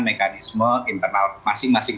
mekanisme internal masing masing